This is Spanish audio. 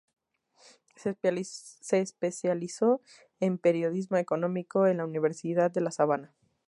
Se especializó en Periodismo económico en la Universidad de la Sabana.